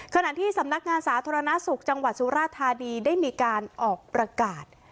ขณะที่สำนักงานสาธารณสุขจังหวัดสุราธานีได้มีการออกประกาศ